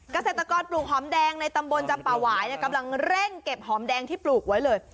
เกษตรกรปลูกหอมแดงในตำบลจำป่าหวายกำลังเร่งเก็บหอมแดงที่ปลูกไว้เลย